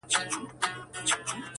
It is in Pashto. اورته خپل او پردي يو دي.